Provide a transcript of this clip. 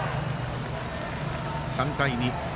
３対２。